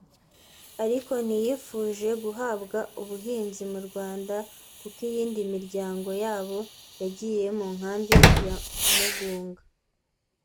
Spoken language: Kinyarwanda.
ariko ntizifuje guhabwa ubuhunzi mu Rwanda kuko iyindi miryango yabo yagiye mu nkambi ya Mugunga